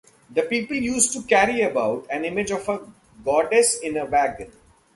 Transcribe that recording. The people used to carry about an image of a goddess in a wagon.